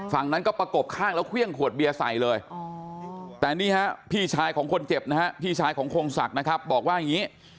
ฝั่งนั้นก็ประกบข้างแล้วเครื่องขวดเบียร์ใส่เลยแต่นี่ฮะพี่ชายของคนเจ็บนะฮะพี่ชายของคงศักดิ์นะครับบอกว่าอย่างนี้